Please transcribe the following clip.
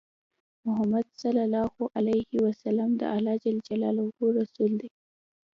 محمد صلی الله عليه وسلم د الله جل جلاله رسول دی۔